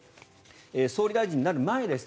総理大臣になる前でした